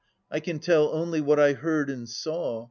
I can tell only what I heard and saw.